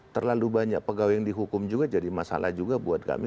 terlalu banyak pegawai yang dihukum juga jadi masalah juga buat kami